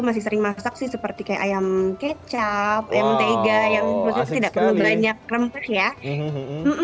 masih sering masak sih seperti kayak ayam kecap ayam mentega yang maksudnya tidak perlu banyak rempah ya